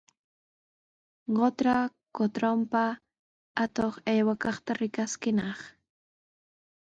Qutra kutrunpa atuq aywaykaqta rikaskinaq.